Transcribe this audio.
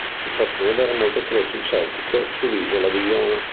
Si possono vedere molte croci celtiche sull'isola di Iona.